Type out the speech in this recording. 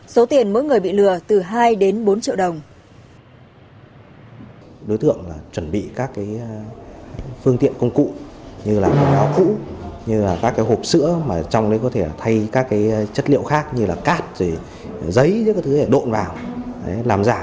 số tiền mỗi người bị lừa từ hai đến bốn triệu đồng